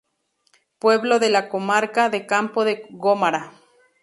Pueblo de la comarca de Campo de Gómara.